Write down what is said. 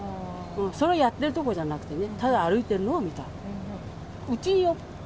それはやってるところじゃなくてね、ただ歩いてるのを見た。